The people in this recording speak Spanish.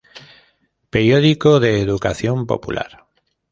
Periódico de Educación Popular.